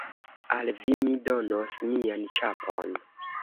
Al vi mi donos mian ĉapon.